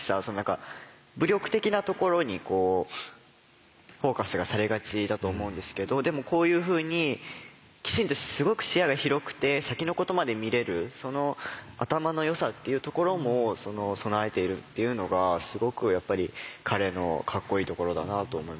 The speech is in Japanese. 武力的なところにフォーカスがされがちだと思うんですけどでもこういうふうにきちんとすごく視野が広くて先のことまで見れるその頭のよさっていうところも備えているっていうのがすごくやっぱり彼のかっこいいところだなと思いましたね。